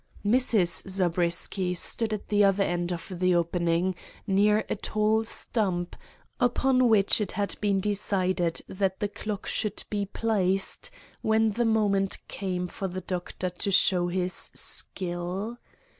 Mrs. Zabriskie stood at the other end of the opening, near a tall stump, upon which it had been decided that the clock should be placed when the moment came for the Doctor to show his skill.